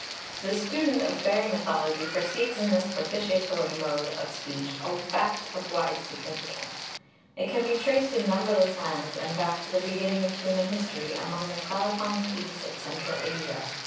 The student of fairy mythology perceives in this propitiatory mode of speech a fact of wide significance. It can be traced in numberless lands, and back to the beginning of human history, among the cloud hung peaks of Central Asia.